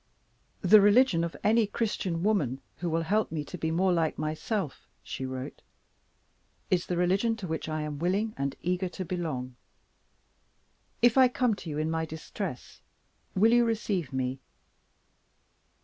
"The religion of any Christian woman who will help me to be more like herself," she wrote, "is the religion to which I am willing and eager to belong. If I come to you in my distress, will you receive me?"